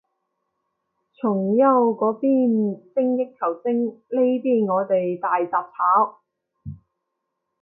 崇優嗰邊精益求精，呢邊我哋大雜炒